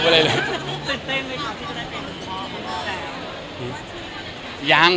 สุดหัวตื่นเต้นเลยค่ะให้มีพ่อของพวกน่ากัน